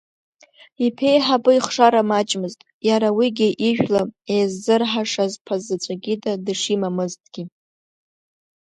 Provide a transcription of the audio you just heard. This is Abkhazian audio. Иԥеиҳабы ихшара маҷмызт, иара уигьы ижәла еиззырҳашаз ԥа заҵәык ида дышимамызгьы.